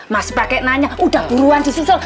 mas pak kek nanya udah buruan sih susul